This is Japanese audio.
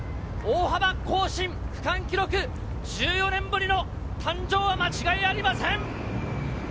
大幅更新、区間記録、１４年ぶりの誕生は間違いありません。